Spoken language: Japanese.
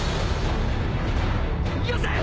よせ！